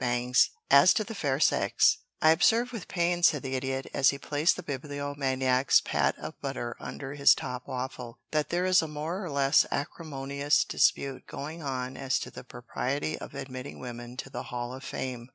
II AS TO THE FAIR SEX "I observe with pain," said the Idiot, as he placed the Bibliomaniac's pat of butter under his top waffle, "that there is a more or less acrimonious dispute going on as to the propriety of admitting women to the Hall of Fame.